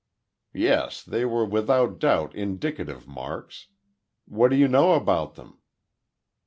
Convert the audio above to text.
"Yes, they were without doubt indicative marks. What do you know about them?"